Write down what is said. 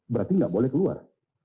berarti nggak boleh keluar